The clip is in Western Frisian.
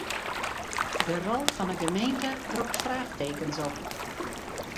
De rol fan 'e gemeente ropt fraachtekens op.